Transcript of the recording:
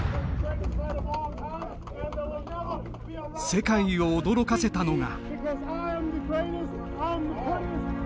世界を驚かせたのが。